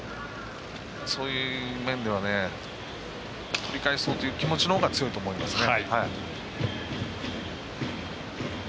そういう面では取り返そうという気持ちのほうが強いと思いますね。